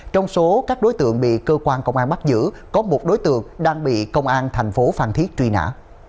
trong số các đối tượng bị cơ quan công an bắt giữ có một đối tượng đang bị công an thành phố phan thiết truy nã